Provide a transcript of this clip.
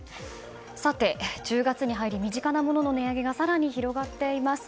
さて、１０月に入り身近なものの値上げが更に広がっています。